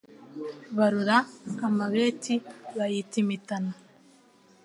Barora amabeti bayita imitana